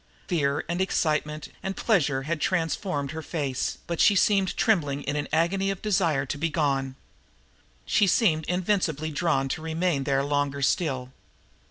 Fear and excitement and pleasure had transformed her face, but she seemed trembling in an agony of desire to be gone. She seemed invincibly drawn to remain there longer still.